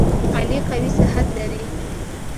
علي قوي صحت لري.